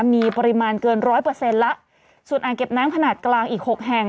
มีปริมาณเกินร้อยเปอร์เซ็นต์แล้วส่วนอ่างเก็บน้ำขนาดกลางอีกหกแห่ง